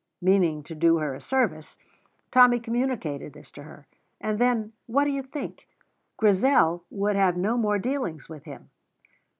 Meaning to do her a service, Tommy communicated this to her; and then, what do you think? Grizel would have no more dealings with him!